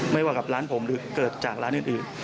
ไม่ว่ากับร้านผมหรือเกิดจากร้านอื่น